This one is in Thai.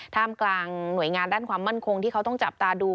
ท่ามกลางหน่วยงานด้านความมั่นคงที่เขาต้องจับตาดู